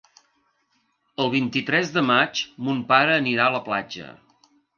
El vint-i-tres de maig mon pare anirà a la platja.